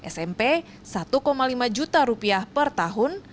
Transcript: smp rp satu lima juta per tahun